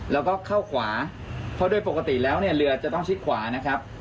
แล้วก็เข้าขวาเพราะโดยปกติแล้วเนี่ยเรือจะต้องชิดขวานะครับ